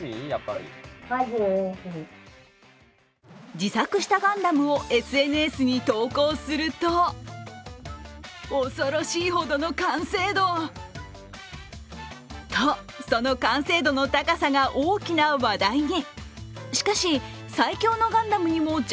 自作したガンダムをＳＮＳに投稿するととその完成度の高さが大きな話題に。